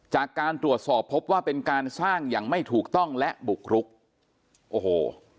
จากการตรวจสอบพบว่าเป็นการสร้างอย่างไม่ถูกต้องและบุกรุกโอ้โห